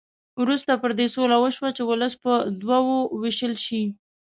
وروسته پر دې سوله وشوه چې ولس په دوه وو وېشل شي.